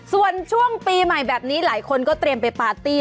ส่วนช่วงปีใหม่แบบนี้หลายคนก็เตรียมไปปาร์ตี้